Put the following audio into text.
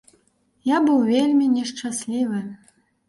Я быў вельмі нешчаслівы.